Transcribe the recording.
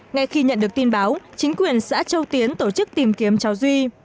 ngay khi nhận được tin báo chính quyền xã châu tiến tổ chức tìm kiếm cháu duy